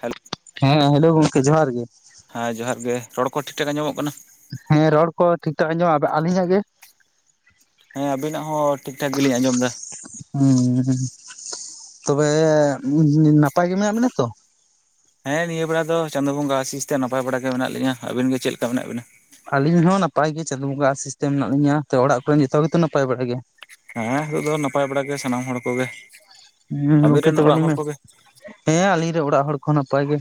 Hello [inaudible] ᱦᱮᱸ hello ᱜᱚᱝᱠᱮ ᱡᱚᱦᱟᱨ ᱜᱮ᱾ ᱦᱮᱸ ᱡᱚᱦᱟᱨ ᱜᱮ ᱨᱚᱲ ᱠᱚ ᱴᱷᱤᱠ ᱴᱷᱟᱠ ᱟᱢᱚᱜ ᱠᱟᱱᱟ᱾ ᱦᱮᱸ ᱨᱚᱲ ᱠᱚ ᱴᱷᱤᱠ ᱴᱷᱟᱠ ᱟᱸᱡᱚᱢᱟ ᱟᱹᱞᱤᱧᱟᱜ ᱜᱮ᱾ ᱦᱮᱸ ᱟᱵᱤᱱᱟᱜ ᱦᱚᱸ ᱴᱷᱤᱠ ᱴᱷᱟᱠ ᱜᱮᱞᱤᱧ ᱟᱸᱡᱚᱢ ᱮᱫᱟ᱾ ᱦᱮᱸ ᱦᱮᱸ ᱛᱚᱵᱮ ᱱᱟᱯᱟᱭ ᱜᱮ ᱢᱮᱱᱟᱜ ᱵᱮᱱᱟ ᱛᱚ᱾ ᱦᱮᱸ ᱱᱤᱭᱟᱹ ᱵᱮᱲᱟ ᱫᱚ, ᱪᱟᱸᱫᱳ ᱵᱚᱸᱜᱟ ᱟᱥᱤᱥᱛᱮ ᱱᱟᱯᱟᱭ ᱵᱟᱲᱟ ᱜᱮ ᱢᱮᱱᱟᱜ ᱞᱤᱧᱟᱹ᱾ ᱟᱹᱵᱤᱱ ᱜᱮ ᱪᱮᱫ ᱞᱮᱠᱟ ᱢᱮᱱᱟᱜ ᱵᱤᱱᱟ? ᱟᱹᱞᱤᱧ ᱦᱚᱸ ᱱᱟᱯᱟᱭ ᱜᱮ ᱪᱟᱸᱫᱳ ᱵᱚᱸᱜᱟ ᱟᱥᱤᱥᱛᱮ ᱢᱮᱱᱟᱜ ᱞᱤᱧᱟ, ᱛᱚ ᱚᱲᱟᱜ ᱠᱚᱨᱮᱱ ᱡᱚᱛᱚ ᱜᱮᱛᱚ ᱱᱟᱯᱟᱭ ᱵᱟᱲᱟ ᱜᱮ᱾ ᱦᱮᱸ ᱦᱤᱛᱟᱹᱜ ᱫᱚ ᱱᱟᱯᱟᱭ ᱵᱟᱲᱟ ᱜᱮ ᱥᱟᱱᱟᱢ ᱦᱚᱲ ᱠᱚᱜᱮ᱾ ᱦᱮᱸ ᱟᱵᱤᱱ ᱜᱚᱢᱠᱮ ᱨᱮᱱ ᱛᱚᱵᱮ ᱚᱲᱟᱜ ᱞᱤᱧ ᱦᱚᱲ ᱢᱮ, ᱠᱚᱜᱮ ᱦᱮᱸ ᱟᱹᱞᱤᱧᱨᱮ ᱚᱲᱟᱜ ᱦᱚᱲ ᱠᱚᱦᱚᱸ ᱱᱟᱯᱟᱭ ᱜᱮ᱾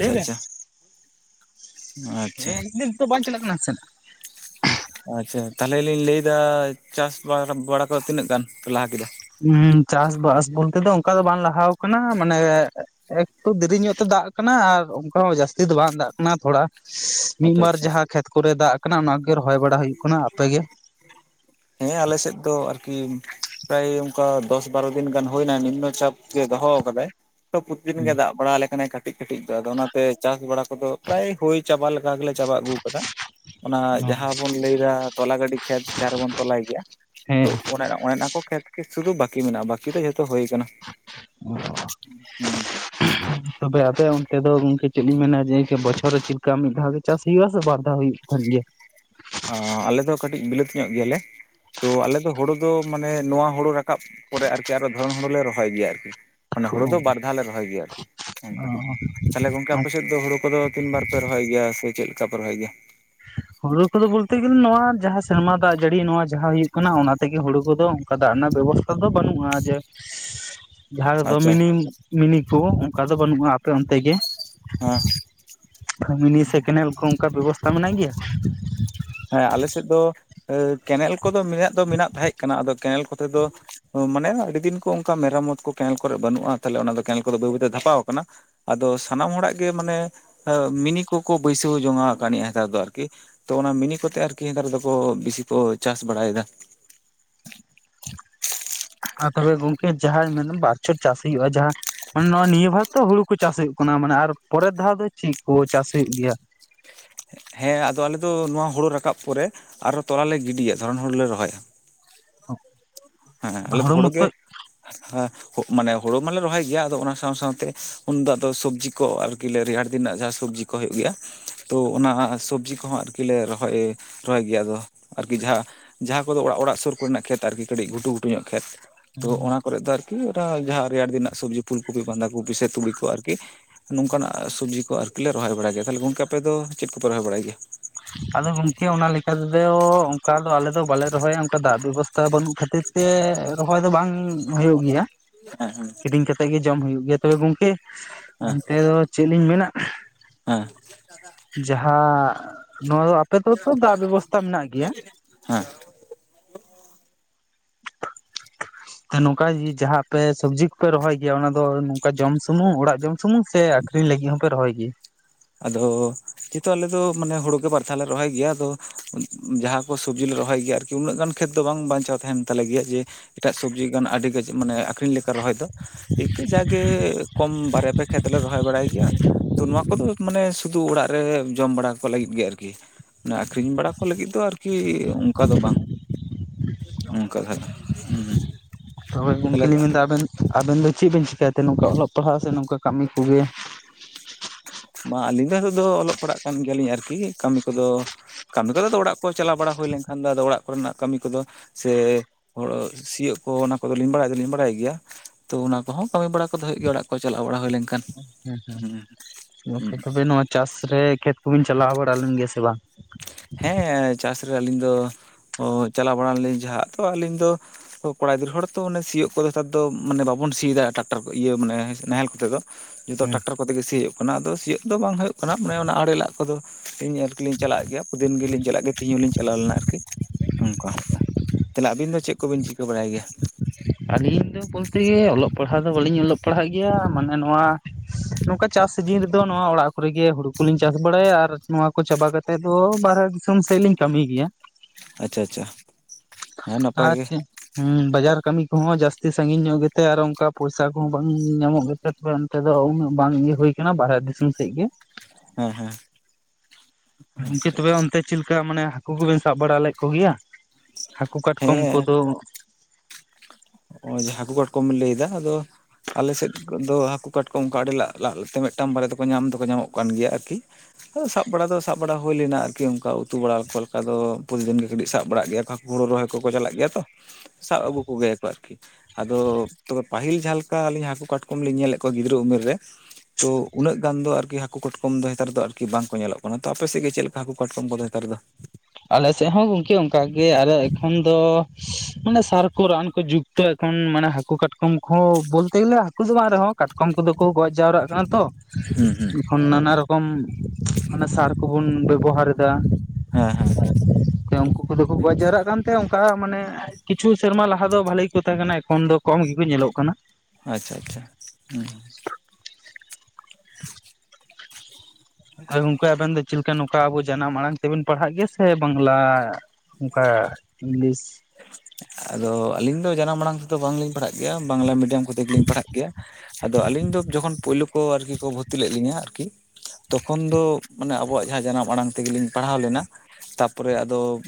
ᱞᱟᱹᱭ ᱵᱮᱱ ᱟᱪᱪᱷᱟ ᱟᱪᱪᱷᱟ᱾ ᱦᱮᱸ ᱤᱧ ᱫᱚ ᱱᱤᱛᱚᱜ ᱵᱟᱝ ᱪᱟᱞᱟᱜ ᱠᱟᱱᱟ ᱥᱮᱱ [inaudible] ᱟᱪᱪᱷᱟ ᱛᱟᱦᱚᱸᱞᱮ ᱞᱤᱧ ᱞᱟᱹᱭᱮᱫᱟ ᱪᱟᱥ ᱵᱟ ᱵᱟᱲᱟ ᱠᱚ ᱛᱤᱱᱟᱹᱜ ᱜᱟᱱ ᱯᱮ ᱞᱟᱦᱟ ᱠᱮᱫᱟ? ᱦᱮᱸ ᱪᱟᱥᱵᱟᱥ ᱵᱚᱞᱛᱮ ᱫᱚ ᱚᱱᱠᱟ ᱫᱚ ᱵᱟᱝ ᱞᱟᱦᱟ ᱠᱟᱱᱟ ᱢᱟᱱᱮ᱾ ᱮᱠᱴᱩ ᱫᱮᱨᱤ ᱧᱚᱜ ᱛᱮ ᱫᱟᱜ ᱠᱟᱱᱟ ᱟᱨ ᱚᱱᱠᱟ ᱦᱚᱸ ᱡᱟᱹᱥᱛᱤ ᱫᱚ ᱵᱟᱝ ᱫᱟᱜ ᱠᱟᱱᱟ ᱛᱷᱚᱲᱟ᱾ ᱢᱤᱫ ᱟᱪᱪᱷᱟ ᱢᱟᱨ ᱟᱪᱪᱷᱟ ᱡᱟᱦᱟᱸ ᱠᱷᱮᱛ ᱠᱚᱨᱮ ᱫᱟᱜ ᱠᱟᱱᱟ ᱚᱱᱟᱜᱮ ᱨᱚᱦᱚᱭ ᱵᱟᱲᱟ ᱦᱩᱭᱩᱜ ᱠᱟᱱᱟ ᱟᱯᱮᱜ ᱜᱮ ᱦᱮᱸ ᱟᱞᱮ ᱥᱮᱫ ᱫᱚ ᱟᱹᱨᱠᱤ ᱾ ᱯᱨᱟᱭ ᱚᱱᱠᱟ ᱫᱚᱥ ᱵᱟᱨᱚ ᱫᱤᱱ ᱜᱟᱱ ᱦᱩᱭᱱᱟ ᱱᱤᱢᱱᱚ ᱪᱟᱯ ᱜᱮ ᱫᱚᱦᱚ ᱟᱠᱟᱫᱟᱭ᱾ ᱛᱚ ᱯᱚᱛᱤ ᱫᱤᱱ ᱜᱮ ᱫᱟᱜ ᱵᱟᱲᱟ ᱟᱞᱮ ᱠᱟᱱᱟᱭ ᱠᱟᱹᱴᱤᱡ ᱠᱟᱹᱴᱤᱡ ᱫᱚ ᱟᱫᱚ ᱚᱱᱟᱛᱮ ᱪᱟᱥ ᱵᱟᱲᱟ ᱠᱚᱫᱚ ᱯᱨᱟᱭ ᱦᱳᱭ ᱪᱟᱵᱟ ᱞᱮ ᱜᱚᱴᱟ ᱜᱮᱞᱮ ᱪᱟᱵᱟ ᱟᱹᱜᱩ ᱟᱠᱟᱫᱟ᱾ ᱚᱱᱟ ᱡᱟᱦᱟᱸ ᱵᱚᱱ ᱞᱟᱹᱭᱫᱟ ᱛᱚᱞᱟ ᱜᱟᱹᱰᱤ ᱠᱷᱮᱛ, ᱡᱟᱦᱟᱸ ᱨᱮᱵᱚᱱ ᱛᱚᱞᱟᱭ ᱜᱮᱭᱟ᱾ ᱛᱚ ᱦᱮᱸ ᱚᱱ ᱚᱱᱮᱱᱟᱜ ᱠᱚ ᱠᱷᱮᱛ ᱥᱩᱫᱷᱩ ᱵᱟᱹᱠᱤ ᱢᱮᱱᱟᱜ-ᱟ᱾ ᱵᱟᱹᱠᱤ ᱫᱚ ᱡᱷᱚᱛᱚ ᱦᱳᱭ ᱠᱟᱱᱟ᱾ [unintelligible] ᱦᱩᱸ᱾ ᱛᱚᱵᱮ ᱟᱯᱮ ᱚᱱᱛᱮ ᱫᱚ ᱜᱚᱝᱠᱮ ᱪᱮᱫ ᱞᱤᱧ ᱢᱮᱱᱟ ᱡᱮ ᱵᱚᱪᱷᱚᱨ ᱨᱮ ᱪᱮᱫᱠᱟ ᱢᱤᱫ ᱫᱷᱟᱣ ᱜᱮ ᱪᱟᱥ ᱦᱩᱭᱩᱜ ᱟ ᱥᱮ ᱵᱟᱨ ᱦᱟ ᱦᱩᱭᱩᱜ ᱠᱟᱱ ᱜᱮᱭᱟ᱾ ᱚᱻ ᱟᱞᱮ ᱫᱚ ᱠᱟᱹᱴᱤᱡ ᱵᱤᱞᱟᱹᱫ ᱧᱚᱜ ᱜᱮᱭᱟᱞᱮ᱾ ᱛᱚ ᱟᱞᱮ ᱫᱚ ᱦᱩᱲᱩ ᱫᱚ ᱢᱟᱱᱮ ᱱᱚᱣᱟ ᱦᱩᱲᱩ ᱨᱟᱠᱟᱵ ᱯᱚᱨᱮ ᱟᱹᱨᱠᱤ ᱟᱨᱚ ᱫᱷᱚᱨᱚᱱ ᱦᱩᱲᱩᱞᱮ ᱨᱚᱦᱚᱭ ᱜᱮᱭᱟ ᱟᱹᱨᱠᱤ᱾ ᱢᱟᱱᱮ ᱦᱳᱲᱳ ᱫᱚ ᱚ ᱵᱟᱨ ᱫᱷᱟᱣ ᱞᱮ ᱨᱚᱦᱚᱭ ᱜᱮᱭᱟ ᱟᱹᱨᱠᱤ᱾ ᱚᱱᱠᱟ ᱛᱟᱦᱚᱸᱞᱮ ᱜᱚᱝᱠᱮ ᱟᱯᱮᱥᱮᱫ ᱫᱚ ᱦᱳᱲᱳ ᱠᱚᱫᱚ ᱛᱤᱱ ᱵᱟᱨ ᱯᱮ ᱨᱚᱦᱚᱭ ᱜᱮᱭᱟ ᱥᱮ ᱪᱮᱫ ᱞᱮᱠᱟ ᱯᱮ ᱨᱚᱦᱚᱭ ᱜᱮᱭᱟ᱾ ᱦᱳᱲᱳ ᱠᱚᱫᱚ ᱵᱚᱞᱛᱮ ᱜᱮᱞᱮ ᱱᱚᱣᱟ ᱡᱟᱦᱟᱸ ᱥᱮᱨᱢᱟ ᱫᱟᱜ ᱡᱟᱹᱲᱤ ᱱᱚᱣᱟ ᱡᱟᱦᱟᱸ ᱦᱩᱭᱩᱜ ᱠᱟᱱᱟ ᱚᱱᱟ᱾ ᱛᱮᱜᱮ ᱦᱩᱲᱩ ᱠᱚᱫᱚ ᱚᱱᱠᱟ ᱫᱟᱜ ᱨᱮᱱᱟᱜ ᱵᱮᱵᱚᱥᱛᱷᱟ ᱫᱚ ᱵᱟᱹᱱᱩᱜ-ᱟ ᱡᱮ᱾ [inaudible] ᱡᱟᱦᱟᱸ ᱨᱮᱫᱚ ᱟᱪᱪᱷᱟ ᱢᱤᱱᱤ ᱢᱤᱱᱤ ᱠᱚ ᱚᱱᱠᱟ ᱫᱚ ᱵᱟᱹᱱᱩᱜ-ᱟ ᱟᱯᱮ ᱚᱱᱛᱮ ᱜᱮ᱾ ᱦ ᱠᱟᱹᱢᱤᱱᱤ ᱥᱮ ᱠᱮᱱᱮᱞ ᱠᱚ ᱚᱝᱠᱟ ᱵᱮᱵᱚᱥᱛᱷᱟ ᱢᱮᱱᱟᱜ ᱜᱮᱭᱟ? ᱦᱮᱸ ᱟᱞᱮ ᱥᱮᱫ ᱫᱚ, ᱠᱮᱱᱮᱞ ᱠᱚᱫᱚ ᱢᱮᱱᱟᱜ ᱫᱚ ᱢᱮᱱᱟᱜ ᱛᱟᱦᱮᱸᱜ ᱠᱟᱱᱟ ᱟᱫᱚ ᱠᱮᱱᱮᱞ ᱠᱚᱛᱮ ᱫᱚ ᱚ ᱢᱟᱱᱮ ᱟᱹᱰᱤ ᱫᱤᱱ ᱠᱚ ᱚᱝᱠᱟ ᱢᱮᱨᱟᱢᱚᱛ ᱠᱚ ᱠᱮᱱᱮᱞ ᱠᱚᱨᱮᱜ ᱵᱟᱹᱱᱩᱜᱼᱟ ᱛᱟᱦᱚᱞᱮ ᱚᱱᱟ ᱫᱚ ᱠᱮᱱᱮᱞ ᱠᱚᱫᱚ ᱵᱟᱹᱭ ᱵᱟᱹᱭᱛᱮ ᱫᱷᱟᱯᱟᱣ‌ ᱟᱠᱟᱱᱟ᱾ ᱟᱫᱚ ᱥᱟᱱᱟᱢ ᱦᱚᱲᱟᱜ ᱜᱮ ᱢᱟᱱᱮ, ᱢᱤᱱᱤ ᱠᱚᱠᱚ ᱵᱟᱹᱭᱥᱟᱹᱣ ᱡᱚᱝᱟ ᱟᱠᱟᱜ ᱱᱤᱜ-ᱟ ᱦᱮᱛᱟᱨ ᱫᱚ ᱟᱨᱠᱤ᱾ ᱛᱚ ᱚᱱᱟ ᱢᱤᱱᱤ ᱠᱚᱛᱮ ᱟᱨᱠᱤ ᱱᱮᱛᱟᱨ ᱫᱚᱠᱚ ᱵᱮᱥᱤ ᱠᱚ ᱪᱟᱥ ᱵᱟᱲᱟᱭᱮᱫᱟ᱾ [inaudible] ᱟᱨ ᱛᱚᱵᱮ ᱜᱚᱝᱠᱮ ᱡᱟᱦᱟᱸᱭ ᱢᱮᱱᱟᱢ ᱵᱟᱨ ᱪᱷᱚᱴ ᱪᱟᱥ ᱦᱩᱭᱩᱜᱼᱟ ᱡᱟᱦᱟᱸ ᱢᱟᱱᱮ ᱱᱚᱜ-ᱚᱭ ᱱᱤᱭᱟᱹ ᱵᱷᱟᱨ ᱛᱚ ᱦᱩᱲᱩ ᱠᱚ ᱪᱟᱥ ᱦᱩᱭᱩᱜ ᱠᱟᱱᱟ ᱢᱟᱱᱮ ᱟᱨ ᱯᱚᱨᱮᱨ ᱫᱷᱟᱣ ᱫᱚ ᱪᱮᱫ ᱠᱚ ᱪᱟᱥ ᱦᱩᱭᱩᱜ ᱜᱮᱭᱟ? ᱦᱮᱸ ᱟᱫᱚ ᱟᱞᱮ ᱫᱚ ᱱᱚᱣᱟ ᱦᱩᱲᱩ ᱨᱟᱠᱟᱵ ᱯᱚᱨᱮ, ᱟᱨᱚ ᱛᱚᱞᱟ ᱞᱮ ᱜᱤᱰᱤᱭᱟ ᱫᱷᱚᱨᱚᱱ ᱦᱩᱲᱩ ᱞᱮ ᱨᱚᱦᱚᱭᱟ᱾ [inaudible] ᱦᱮᱸ ᱟᱞᱮ ᱫᱚ ᱦᱩᱲᱩ ᱦᱩᱲ ᱜᱮ, ᱢᱚᱛᱚᱡ? ᱦᱮᱸ ᱠᱚᱜ ᱢᱟᱱᱮ ᱦᱳᱲᱳ ᱢᱟᱞᱮ ᱨᱚᱦᱚᱭ ᱜᱮᱭᱟ ᱟᱫᱚ ᱚᱱᱟ ᱥᱟᱶ ᱥᱟᱶᱛᱮ ᱩᱱᱫᱚ ᱟᱫᱚ ᱥᱚᱵᱽᱡᱤ ᱠᱚ ᱟᱨᱠᱤ ᱨᱮᱭᱟᱲ ᱫᱤᱱ ᱱᱟᱜ ᱡᱟᱦᱟᱸ ᱥᱚᱵᱽᱡᱤ ᱠᱚ ᱦᱩᱭᱩᱜ ᱜᱮᱭᱟ᱾ ᱛᱚ ᱚᱱᱟ ᱥᱚᱵᱽᱡᱤ ᱠᱚᱦᱚᱸ ᱟᱨᱠᱤ ᱞᱮ ᱨᱚᱦᱚᱭ ᱨᱚᱦᱚᱭ ᱜᱮᱭᱟ ᱟᱫᱚ᱾ ᱟᱨᱠᱤ ᱡᱟᱦᱟᱸ, ᱡᱟᱦᱟᱸ ᱠᱚᱫᱚ ᱚᱲᱟᱜ ᱚᱲᱟᱜ ᱥᱩᱨ ᱠᱚ ᱨᱮᱱᱟᱜ ᱠᱷᱮᱛ ᱟᱨᱠᱤ ᱠᱟᱹᱴᱤᱡ ᱜᱷᱩᱴᱩ ᱜᱷᱩᱴᱩ ᱧᱚᱜ ᱠᱷᱮᱛ, ᱛᱚ ᱚᱱᱟ ᱠᱚᱨᱮᱜ ᱫᱚ ᱟᱨᱠᱤ ᱚᱱᱟ ᱡᱟᱦᱟᱸ ᱨᱮᱭᱟᱲ ᱫᱤᱱ ᱨᱮᱱᱟᱜ ᱥᱚᱵᱽᱡᱤ ᱯᱷᱩᱞ ᱠᱚᱯᱤ, ᱵᱟᱸᱫᱷᱟ ᱠᱚᱯᱤ, ᱥᱮ ᱛᱩᱲᱤ ᱠᱚ ᱟᱨᱠᱤ, ᱱᱚᱝᱠᱟᱱᱟᱜ ᱥᱚᱵᱽᱡᱤ ᱠᱚ ᱟᱨᱠᱤᱞᱮ ᱨᱚᱦᱚᱭ ᱵᱟᱲᱟᱭ ᱜᱮᱭᱟ, ᱾ ᱛᱟᱦᱚᱞᱮ ᱜᱚᱝᱠᱮ ᱟᱯᱮ ᱫᱚ ᱪᱮᱫ ᱠᱚᱯᱮ ᱨᱚᱦᱚᱭ ᱵᱟᱲᱟᱭ ᱜᱮᱭᱟ? ᱟᱫᱚ ᱜᱚᱝᱠᱮ ᱚᱱᱟ ᱞᱮᱠᱟ ᱛᱮᱫᱚ ᱚᱝᱠᱟ ᱫᱚ ᱟᱞᱮ ᱫᱚ ᱵᱟᱞᱮ ᱨᱚᱦᱚᱭᱟ ᱚᱝᱠᱟ ᱫᱟᱜ ᱵᱮᱵᱚᱥᱛᱷᱟ ᱵᱟᱹᱱᱩᱜ ᱠᱷᱟᱹᱛᱤᱨ ᱛᱮ ᱨᱚᱦᱚᱭ ᱫᱚ ᱵᱟᱝ ᱦᱩᱭᱩᱜ ᱜᱮᱭᱟ᱾ ᱦᱮᱸ ᱦᱮᱸ᱾ ᱠᱤᱨᱤᱧ ᱠᱟᱛᱮᱫ ᱜᱮ ᱡᱚᱢ ᱦᱩᱭᱩᱜ ᱜᱮᱭᱟ᱾ ᱛᱚᱵᱮ ᱜᱚᱝᱠᱮ ᱦᱮᱸ ᱚᱱᱛᱮ ᱫᱚ ᱪᱮᱫ ᱞᱤᱧ ᱢᱮᱱᱟ, ᱦᱮᱸ᱾ ᱡᱟᱦᱟᱸ ᱱᱚᱣᱟ ᱫᱚ ᱟᱯᱮ ᱫᱚ ᱛᱚ ᱫᱟᱜ ᱵᱮᱵᱚᱥᱛᱛᱟ ᱢᱮᱱᱟᱜ ᱜᱮᱭᱟ, ᱦᱮᱸ᱾ ᱛᱟᱦᱮᱸᱱ ᱱᱚᱝᱠᱟ ᱡᱟᱦᱟᱸ ᱟᱯᱮ ᱥᱚᱵᱽᱡᱤ ᱠᱚᱯᱮ ᱨᱚᱦᱚᱭ ᱜᱮᱭᱟ ᱚᱱᱟ ᱫᱚ ᱱᱚᱝᱠᱟ ᱡᱚᱢ ᱥᱩᱢᱩᱢ ᱚᱲᱟᱜ ᱡᱚᱢ ᱥᱩᱢᱩᱝ ᱥᱮ ᱟᱠᱷᱨᱤᱧ ᱞᱟᱹᱜᱤᱫ ᱦᱚᱸ ᱯᱮ ᱨᱚᱦᱚᱭ ᱜᱮᱭᱟ? ᱟᱫᱚ ᱱᱤᱛᱚᱜ ᱟᱞᱮ ᱫᱚ ᱢᱟᱱᱮ ᱦᱳᱲᱳ ᱜᱮ ᱵᱟᱨ ᱫᱷᱟᱣᱞᱮ ᱨᱚᱦᱚᱭ ᱜᱮᱭᱟ ᱟᱫᱚ ᱡᱟᱦᱟᱸ ᱠᱚ ᱥᱚᱵᱽᱡᱤ ᱞᱮ ᱨᱚᱦᱚᱭ ᱜᱮᱭᱟ ᱟᱨᱠᱤ ᱩᱱᱟᱹᱜ ᱜᱟᱱ ᱠᱷᱮᱛ ᱫᱚ ᱵᱟᱝ ᱵᱟᱧᱪᱟᱣ ᱛᱟᱦᱮᱸᱱ ᱛᱟᱞᱮ ᱜᱮᱭᱟ ᱡᱮ ᱮᱴᱟᱜ ᱥᱚᱵᱽᱡᱤ ᱜᱟᱱ ᱟᱹᱰᱤ [unintelligible] ᱢᱟᱱᱮ ᱟᱠᱷᱨᱤᱧ ᱞᱮᱠᱟ ᱨᱚᱦᱚᱭ ᱫᱚ ᱤᱝᱠᱟᱹ ᱡᱟᱜᱜᱮ ᱠᱚᱢ ᱵᱟᱨᱭᱟ ᱯᱮᱭᱟ ᱠᱷᱮᱛ ᱞᱮ ᱨᱚᱦᱚᱭ ᱵᱟᱲᱟᱭ ᱜᱮᱭᱟ, ᱛᱚ ᱱᱚᱣᱟ ᱠᱚᱫᱚ ᱢᱟᱱᱮ ᱥᱩᱫᱷᱩ ᱚᱲᱟᱜ ᱨᱮ ᱡᱚᱢ ᱵᱟᱲᱟ ᱠᱚ ᱞᱟᱹᱜᱤᱫ ᱜᱮ ᱟᱨᱠᱤ, ᱢᱟᱱᱮ ᱟᱠᱷᱨᱤᱧ ᱵᱟᱲᱟ ᱠᱚ ᱞᱟᱹᱜᱤᱫ ᱫᱚ ᱟᱨ ᱠᱤ ᱚᱝᱠᱟ ᱫᱚ ᱵᱟᱝ᱾ ᱚᱝᱠᱟ ᱫᱷᱟᱨᱟ ᱦᱩᱸ᱾ ᱛᱚᱵᱮ ᱜᱚᱝᱠᱮ ᱞᱤᱧ ᱢᱮᱱᱫᱟ ᱟᱵᱮᱱ, ᱟᱵᱮᱱ ᱫᱚ ᱪᱮᱫ ᱵᱮᱱ ᱪᱤᱠᱟᱭᱛᱮ ᱱᱚᱝᱠᱟ ᱚᱞᱚᱜ ᱯᱟᱲᱦᱟᱜ ᱥᱮ ᱱᱚᱝᱠᱟ ᱠᱟᱹᱢᱤ ᱠᱚᱜᱮ? ᱢᱟ ᱟᱹᱞᱤᱧ ᱫᱚ ᱦᱮᱛᱚᱜ ᱫᱚ ᱚᱞᱚᱜ ᱯᱟᱲᱦᱟᱜ ᱠᱟᱱ ᱜᱮᱭᱟᱞᱤᱧ ᱟᱨᱠᱤ ᱠᱟᱹᱢᱤ ᱠᱚᱫᱚ ᱠᱟᱹᱢᱤ ᱠᱚᱫᱚ ᱟᱫᱚ ᱚᱲᱟᱜ ᱠᱚ ᱪᱟᱞᱟᱣ ᱵᱟᱲᱟ ᱦᱩᱭ ᱞᱮᱝᱠᱷᱟᱱ ᱫᱚ ᱟᱫᱚ ᱚᱲᱟᱜ ᱠᱚ ᱨᱮᱱᱟᱜ ᱠᱟᱹᱢᱤ ᱠᱚᱫᱚ ᱥᱮ ᱦᱳᱲᱳ ᱥᱤᱭᱳᱜ ᱠᱚ ᱚᱱᱟ ᱠᱚᱫᱚᱞᱤᱧ ᱵᱟᱲᱟᱭ ᱫᱚᱞᱤᱧ ᱵᱟᱲᱟᱭ ᱜᱮᱭᱟ᱾ ᱛᱚ ᱚᱱᱟ ᱠᱚᱦᱚᱸ ᱠᱟᱹᱢᱤ ᱵᱟᱲᱟ ᱠᱚᱫᱚ ᱦᱩᱭᱩᱜ ᱜᱮᱭᱟ ᱚᱲᱟᱜ ᱠᱚ ᱪᱟᱞᱟᱣ ᱵᱟᱲᱟ ᱦᱩᱭ ᱞᱮᱝᱠᱷᱟᱱ᱾ ᱦᱮᱸ ᱦᱮᱸ, ᱜᱚᱝᱠᱮ ᱛᱚᱵᱮ ᱱᱚᱣᱟ ᱪᱟᱥ ᱨᱮ ᱠᱷᱮᱛ ᱠᱚᱵᱤᱱ ᱪᱟᱞᱟᱣ ᱵᱟᱲᱟ ᱞᱮᱱ ᱜᱮᱭᱟ ᱥᱮ ᱵᱟᱝ? ᱦᱮᱸ ᱪᱟᱥ ᱨᱮ ᱟᱹᱞᱤᱧ ᱫᱚ, ᱚ ᱪᱟᱞᱟᱣ ᱵᱟᱲᱟ ᱞᱮᱱᱟᱞᱤᱧ ᱡᱟᱦᱟᱸ ᱛᱚ ᱟᱹᱞᱤᱧ ᱫᱚ ᱠᱚᱲᱟ ᱜᱤᱫᱟᱹᱨ ᱦᱚᱲ ᱛᱚ ᱚᱱᱮ ᱥᱤᱭᱳᱜ ᱠᱚᱫᱚ ᱦᱮᱛᱟᱨ ᱫᱚ ᱢᱟᱱᱮ ᱵᱟᱵᱚᱱ ᱥᱤᱭᱮᱫᱟ ᱴᱨᱟᱠᱴᱟᱨ ᱤᱭᱟᱹ ᱢᱟᱱᱮ ᱱᱟᱦᱮᱞ ᱠᱚᱛᱮ ᱫᱚ, ᱱᱤᱛᱚᱜ ᱦᱮᱸ ᱴᱟᱠᱴᱟᱨ ᱠᱚᱛᱮ ᱜᱮ ᱥᱤ ᱦᱩᱭᱩᱜ ᱠᱟᱱᱟ ᱟᱫᱚ ᱥᱤᱭᱳᱜ ᱫᱚ ᱵᱟᱝ ᱦᱳᱭᱳᱜ ᱠᱟᱱᱟ ᱢᱟᱱᱮ ᱚᱱᱟ ᱟᱲᱮ ᱞᱟᱜ ᱠᱚᱫᱚ, ᱤᱧ ᱧᱮᱞ ᱜᱮᱞᱤᱧ ᱪᱟᱞᱟᱜ ᱜᱮᱭᱟ᱾ [inaudible] ᱫᱤᱱ ᱜᱮᱞᱤᱧ ᱪᱟᱞᱟᱜ ᱜᱮ ᱛᱮᱦᱤᱧ ᱦᱚᱸᱞᱤᱧ ᱪᱟᱞᱟᱣ ᱞᱮᱱᱟ ᱟᱨᱠᱤ, ᱱᱚᱝᱠᱟ᱾ ᱛᱟᱦᱚᱞᱮ ᱟᱹᱵᱤᱱ ᱫᱚ ᱪᱮᱫ ᱠᱚᱵᱤᱱ ᱪᱤᱠᱟᱹ ᱵᱟᱲᱟᱭ ᱜᱮᱭᱟ? ᱟᱹᱞᱤᱧ ᱫᱚ ᱵᱚᱞᱛᱮ ᱜᱮ ᱚᱞᱚᱜ ᱯᱟᱲᱦᱟᱜ ᱫᱚ ᱵᱟᱹᱞᱤᱧ ᱚᱞᱚᱜ ᱯᱟᱲᱦᱟᱜ ᱜᱮᱭᱟ ᱢᱟᱱᱮ ᱱᱚᱣᱟ ᱱᱚᱝᱠᱟ ᱪᱟᱥ ᱥᱤᱡᱤᱱ ᱨᱮᱫᱚ ᱱᱚᱣᱟ ᱚᱲᱟᱜ ᱠᱚᱨᱮ ᱜᱮ ᱦᱩᱲᱩ ᱠᱚᱞᱤᱧ ᱪᱟᱥ ᱵᱟᱲᱟᱭᱟ ᱟᱨ ᱱᱚᱣᱟ ᱠᱚ ᱪᱟᱵᱟ ᱠᱟᱛᱮᱫ ᱫᱚ ᱵᱟᱨᱦᱮ ᱫᱤᱥᱚᱢ ᱥᱮᱫ ᱞᱤᱧ ᱠᱟᱹᱢᱤ ᱜᱮᱭᱟ᱾ ᱟᱪᱪᱷᱟ ᱟᱪᱪᱷᱟ᱾ ᱦᱮᱸ ᱱᱟᱯᱟᱭ ᱟᱨ ᱜᱮ ᱪᱮᱫ? ᱦᱩᱸ ᱵᱟᱡᱟᱨ ᱠᱟᱹᱢᱤ ᱠᱚᱦᱚᱸ ᱡᱟᱹᱥᱛᱤ ᱥᱟᱺᱜᱤᱧ ᱧᱚᱜ ᱜᱮᱛᱮ ᱟᱨ ᱚᱱᱠᱟ ᱯᱚᱭᱥᱟ ᱠᱚᱦᱚᱸ ᱵᱟᱝ ᱧᱟᱢᱚᱜ ᱜᱮ᱾ ᱮᱱᱛᱮᱫ ᱫᱚ ᱩᱱᱟᱹᱜ ᱵᱟᱝ ᱤᱭᱟᱹ ᱦᱩᱭ ᱠᱟᱱᱟ ᱵᱟᱨᱦᱮ ᱫᱤᱥᱚᱢ ᱥᱮᱫ ᱜᱮ᱾ ᱦᱮᱸ ᱦᱮᱸ, ᱜᱚᱝᱠᱮ ᱛᱚᱵᱮ ᱚᱱᱛᱮ ᱪᱮᱫ ᱞᱮᱠᱟ ᱢᱟᱱᱮ ᱦᱟᱹᱠᱩ ᱠᱚᱵᱮᱱ ᱥᱟᱵ ᱵᱟᱲᱟ ᱞᱮᱫ ᱠᱚ ᱜᱮᱭᱟ? ᱦᱟᱹᱠᱩ, ᱠᱟᱴᱠᱚᱢ ᱦᱮᱸ ᱠᱚᱫᱚ, ᱱᱚᱜ-ᱚᱭ ᱡᱮ ᱦᱟᱹᱠᱩ, ᱠᱟᱴᱠᱚᱢ ᱵᱮᱱ ᱞᱟᱹᱭ ᱮᱫᱟ ᱟᱫᱚ ᱟᱞᱮ ᱥᱮᱫ ᱫᱚ ᱦᱟᱹᱠᱩ, ᱠᱟᱴ- ᱚᱱᱠᱟ ᱟᱹᱰᱤ ᱞᱟᱜ ᱞᱟᱜ ᱛᱮ ᱢᱮᱫᱴᱟᱱ ᱵᱟᱨᱮ ᱛᱮᱠᱚ ᱧᱟᱢ ᱫᱚᱠᱚ ᱧᱟᱢᱚᱜ ᱠᱟᱱ ᱜᱮᱭᱟ ᱟᱨᱠᱤ᱾ ᱟᱫᱚ ᱥᱟᱵ ᱵᱟᱲᱟ ᱫᱚ ᱥᱟᱵ ᱵᱟᱲᱟ ᱦᱩᱭ ᱞᱮᱱᱟ ᱟᱨᱠᱤ, ᱚᱱᱠᱟ ᱩᱛᱩ ᱵᱟᱲᱟ ᱠᱚ ᱞᱮᱠᱟ ᱫᱚ ᱯᱨᱚᱛᱤᱫᱤᱱ ᱜᱮ ᱠᱟᱹᱴᱤᱡ ᱥᱟᱵ ᱵᱟᱲᱟᱜ ᱜᱮᱭᱟ ᱠᱚ᱾ ᱦᱩᱲᱩ ᱨᱚᱦᱚᱭ ᱠᱚᱠᱚ ᱪᱟᱞᱟᱜ ᱜᱮᱭᱟ ᱛᱚ, ᱥᱟᱵ ᱟᱹᱜᱩ ᱠᱚ ᱜᱮᱭᱟ ᱟᱨᱠᱤ ᱟᱫᱚ ᱛᱚᱵᱮ ᱯᱟᱹᱦᱤᱞ ᱡᱟᱦᱟᱸ ᱞᱮᱠᱟ ᱟᱹᱞᱤᱧ ᱦᱟᱹᱠᱩ, ᱠᱟᱴᱠᱚᱢ ᱞᱤᱧ ᱧᱮᱞ ᱮᱫ ᱠᱚᱣᱟ ᱜᱤᱫᱽᱨᱟᱹ ᱩᱢᱮᱨ ᱨᱮ᱾ ᱛᱳ ᱩᱱᱟᱹᱜ ᱜᱟᱱ ᱫᱚ ᱟᱨᱠᱤ ᱦᱟᱹᱠᱩ, ᱠᱟᱴᱠᱚᱢ ᱫᱚ ᱦᱮᱛᱟᱨ ᱫᱚ ᱟᱨᱠᱤ ᱵᱟᱝ ᱠᱚ ᱧᱮᱞᱚᱜ ᱠᱟᱱᱟ᱾ ᱛᱚ ᱟᱯᱮ ᱥᱮᱫ ᱜᱮ ᱪᱮᱫ ᱞᱮᱠᱟ ᱦᱟᱹᱠᱩ, ᱠᱟᱴᱠᱚᱢ ᱠᱚᱫᱚ? ᱟᱨ ᱫᱚ ᱟᱞᱮ ᱥᱮᱫ ᱦᱚᱸ ᱜᱚᱝᱠᱮ ᱚᱱᱠᱟ ᱜᱮ ᱟᱫᱚ ᱮᱠᱷᱚᱱ ᱫᱚ ᱢᱟᱱᱮ ᱥᱟᱨ ᱠᱚ ᱨᱟᱱ ᱠᱚ ᱡᱩᱜᱽ ᱛᱮ ᱮᱠᱷᱚᱱ ᱢᱟᱱᱮ ᱦᱟᱹᱠᱩ, ᱠᱟᱴᱠᱚᱢ ᱠᱚᱦᱚᱸ ᱵᱚᱞᱛᱮ ᱜᱮᱞᱮ ᱦᱟᱹᱠᱩ ᱫᱚ ᱵᱟᱝ ᱨᱮᱦᱚᱸ ᱠᱟᱴᱠᱚᱢ ᱠᱚᱫᱚ ᱠᱚ ᱜᱚᱡ ᱡᱟᱣᱨᱟᱜ ᱠᱟᱱᱟ ᱛᱚ᱾ ᱦᱩᱸ ᱦᱩᱸ, ᱱᱟᱱᱟ ᱨᱚᱠᱚᱢ ᱚᱱᱟ ᱥᱟᱨ ᱠᱚᱵᱚᱱ ᱵᱮᱵᱚᱦᱟᱨ ᱮᱫᱟ᱾ ᱦᱮᱸ ᱦᱮᱸ ᱩᱱᱠᱩ ᱠᱚᱫᱚ ᱠᱚ ᱜᱚᱡ ᱡᱟᱣᱨᱟᱜ ᱠᱟᱱᱛᱮ ᱚᱱᱠᱟ ᱢᱟᱱᱮ ᱠᱤᱪᱷᱩ ᱥᱮᱨᱢᱟ ᱞᱟᱦᱟ ᱫᱚ ᱵᱷᱟᱹᱞᱤ ᱜᱮᱠᱚ ᱛᱟᱦᱮᱸ ᱠᱟᱱᱟ ᱮᱠᱷᱚᱱ ᱫᱚ ᱠᱚᱢ ᱜᱮᱠᱚ ᱧᱮᱞᱚᱜ ᱠᱟᱱᱟ᱾ ᱟᱪᱪᱷᱟ ᱟᱪᱪᱷᱟ ᱦᱩᱸ ᱦᱩᱸ, ᱟᱨ ᱚᱱᱠᱟ ᱟᱵᱮᱱ ᱫᱚ ᱪᱮᱞᱮᱠᱟ ᱱᱚᱠᱝᱟ ᱟᱵᱚ ᱡᱟᱱᱟᱢ ᱟᱲᱟᱝ ᱛᱮᱵᱚᱱ ᱯᱟᱲᱦᱟᱜ ᱜᱮᱭᱟ ᱥᱮ ᱵᱟᱝᱞᱟ ᱚᱝᱠᱟ ᱤᱝᱞᱤᱥ? ᱟᱫᱚ ᱟᱹᱞᱤᱧ ᱫᱚ ᱡᱟᱱᱟᱢ ᱟᱲᱟᱝ ᱛᱮᱫᱚ ᱵᱟᱝᱞᱤᱧ ᱯᱟᱲᱦᱟᱜ ᱜᱮᱭᱟ ᱵᱟᱝᱞᱟ ᱢᱤᱰᱤᱭᱟᱢ ᱠᱚᱛᱮ ᱜᱮᱞᱤᱧ ᱯᱟᱲᱦᱟᱜ ᱜᱮᱭᱟ᱾ ᱟᱫᱚ ᱟᱹᱞᱤᱧ ᱫᱚ ᱡᱚᱠᱷᱚᱱ ᱯᱳᱭᱞᱳ ᱠᱚ ᱟᱨᱠᱤ ᱠᱚ ᱵᱷᱩᱨᱛᱤ ᱞᱮᱫ ᱞᱤᱧᱟᱹ ᱟᱨᱠᱤ ᱛᱚᱠᱷᱚᱱ ᱫᱚ ᱢᱟᱱᱮ ᱟᱵᱚᱣᱟᱜ ᱡᱟᱦᱟᱸ ᱡᱟᱱᱟᱢ ᱟᱲᱟᱝ ᱛᱮᱜᱮᱞᱤᱧ ᱯᱟᱲᱦᱟᱣ ᱞᱮᱱᱟ᱾ ᱛᱟᱯᱚᱨᱮ ᱟᱫᱚ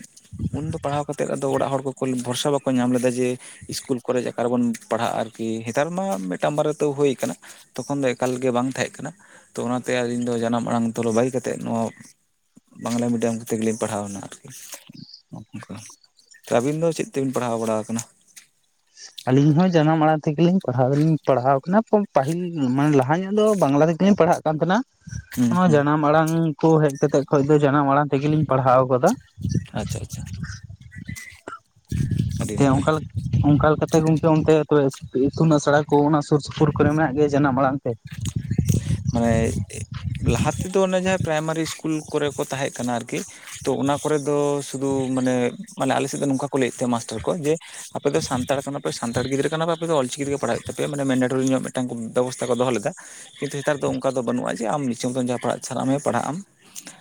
ᱩᱱᱫᱚ ᱯᱟᱲᱦᱟᱣ ᱠᱟᱛᱮᱫ ᱟᱫᱚ ᱚᱲᱟᱜ ᱦᱚᱲ ᱠᱚᱠᱚ ᱵᱷᱚᱨᱥᱟ ᱵᱟᱠᱚ ᱧᱟᱢ ᱞᱮᱫᱟ ᱡᱮ ᱤᱥᱠᱩᱞ, ᱠᱚᱞᱮᱡᱽ ᱟᱠᱟ ᱨᱮᱵᱚᱱ ᱯᱟᱲᱦᱟᱜᱼᱟ, ᱟᱨᱠᱤ ᱦᱮᱛᱟᱨ ᱢᱟ ᱢᱤᱫᱴᱟᱱ ᱵᱟᱨᱟ ᱛᱟᱹᱣ ᱦᱩᱭ ᱠᱟᱱᱟ᱾ ᱛᱚᱠᱷᱚᱱ ᱫᱚ ᱮᱠᱟᱞ ᱜᱮ ᱵᱟᱝ ᱛᱟᱦᱮᱸᱜ ᱠᱟᱱᱟ᱾ ᱛᱚ ᱚᱱᱟᱛᱮ ᱟᱹᱞᱤᱧ ᱫᱚ ᱡᱟᱱᱟᱢ ᱟᱲᱟᱝ ᱛᱚᱞᱚ ᱵᱟᱹᱜᱤ ᱠᱟᱛᱮᱜ ᱱᱚᱣᱟ ᱵᱟᱝᱞᱟ ᱢᱤᱰᱤᱭᱟᱢ ᱠᱚᱛᱮ ᱜᱮᱞᱤᱧ ᱯᱟᱲᱦᱟᱣᱱᱟ ᱟᱨᱠᱤ᱾ ᱚᱝᱠᱟ ᱛᱚ ᱟᱹᱵᱤᱱ ᱫᱚ ᱪᱮᱫ ᱛᱮᱵᱤᱱ ᱯᱟᱲᱦᱟᱣ ᱵᱟᱲᱟ ᱟᱠᱱᱟ? ᱟᱞᱤᱧ ᱦᱚᱸ ᱡᱟᱱᱟᱢ ᱟᱲᱟᱝ ᱛᱮᱜᱮᱞᱤᱧ ᱯᱟᱲᱦᱟᱣ ᱫᱚᱞᱤᱧ ᱯᱟᱲᱦᱟᱣ ᱠᱟᱱᱟ᱾ ᱯᱟᱹᱦᱤᱞ ᱢᱟᱱᱮ ᱞᱟᱦᱟ ᱧᱚᱜ ᱫᱚ ᱵᱟᱝᱞᱟ ᱯᱟᱲᱦᱟᱜ ᱠᱟᱱ ᱛᱟᱸᱦᱮᱱᱟ᱾ ᱦᱩᱸ ᱚᱱᱟ ᱦᱩᱸ ᱡᱟᱱᱟᱢ ᱟᱲᱟᱝ ᱠᱚ ᱦᱮᱡ ᱠᱟᱛᱮ ᱠᱷᱚᱡ ᱫᱚ ᱡᱟᱱᱟᱢ ᱟᱲᱟᱝ ᱛᱮᱜᱮᱞᱤᱧ ᱯᱟᱲᱦᱟᱣ ᱟᱠᱟᱫᱟ᱾ ᱟᱪᱪᱷᱟ ᱟᱪᱪᱷᱟ ᱟᱹᱰᱤ ᱱᱟᱯᱟᱭ᱾ ᱚᱱᱠᱟ ᱚᱱᱠᱟ ᱞᱮᱠᱟᱛᱮ ᱜᱚᱝᱠᱮ ᱚᱱᱛᱮ ᱛᱚᱵᱮ ᱤᱛᱩᱱ ᱟᱥᱲᱟ ᱠᱚ ᱚᱱᱟ ᱥᱩᱨ ᱥᱩᱯᱩᱨ ᱠᱚᱨᱮ ᱢᱮᱱᱟᱜ ᱜᱮᱭᱟ ᱡᱟᱱᱟᱢ ᱟᱲᱟᱝ ᱛᱮ? ᱢᱟᱱᱮ ᱞᱟᱦᱟ ᱛᱮᱫᱚ ᱚᱱᱮ ᱡᱟᱦᱟᱸ ᱯᱨᱟᱭᱢᱟᱨᱤ ᱤᱥᱠᱩᱞ ᱠᱚᱨᱮ ᱠᱚ ᱛᱟᱦᱮᱸᱜ ᱠᱟᱱᱟ ᱟᱨᱠᱤ, ᱛᱚ ᱚᱱᱟ ᱠᱚᱨᱮ ᱫᱚ ᱥᱩᱫᱩ ᱢᱟᱱᱮ ᱢᱟᱱᱮ ᱟᱞᱮ ᱥᱮᱫ ᱫᱚ ᱱᱚᱝᱠᱟ ᱠᱚ ᱞᱟᱹᱭ ᱮᱫ ᱛᱟᱦᱮᱸᱫ ᱢᱟᱥᱴᱟᱨ ᱠᱚ ᱡᱮ ᱟᱯᱮ ᱫᱚ ᱥᱟᱱᱛᱟᱲ ᱠᱟᱱᱟ ᱯᱮ ᱥᱟᱱᱛᱟᱲ ᱜᱤᱫᱽᱨᱟᱹ ᱠᱟᱱᱟ ᱯᱮ ᱟᱯᱮ ᱫᱚ ᱚᱞ ᱪᱤᱠᱤ ᱛᱮ ᱯᱟᱲᱦᱟᱜ ᱛᱟᱯᱮᱭᱟ᱾ ᱢᱟᱱᱮ ᱢᱮᱱᱰᱟᱴᱚᱨᱤ ᱧᱚᱜ ᱢᱤᱫᱴᱟᱝ ᱵᱮᱵᱚᱥᱛᱷᱟ ᱠᱚ ᱫᱚᱦᱚ ᱞᱮᱫᱟ᱾ ᱠᱤᱱᱛᱩ ᱱᱮᱛᱟᱨ ᱫᱚ ᱚᱱᱠᱟ ᱫᱚ ᱵᱟᱹᱱᱩᱜ-ᱟ, ᱡᱮ ᱟᱢ ᱤᱪᱪᱷᱟᱹ ᱢᱚᱛᱚ ᱡᱟᱦᱟᱸ ᱯᱟᱲᱦᱟᱜ ᱥᱟᱱᱟ ᱢᱮᱭᱟ ᱯᱟᱲᱦᱟᱜ ᱟᱢ᱾